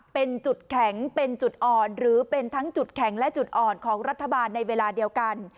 เป็นจุดแข็งเป็นจุดอ่อนหรือเป็นทั้งจุดแข็งและจุดอ่อนของรัฐบาลในเวลาเดียวกัน